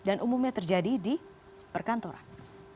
dan umumnya terjadi di perkantoran